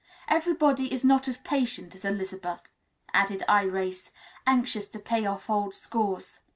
Everybody is not as patient as Elizabeth," added Irais, anxious to pay off old scores.